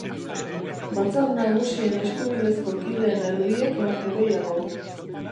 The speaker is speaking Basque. Batzar Nagusien eskubidezko kideen erdiek baino gehiagok.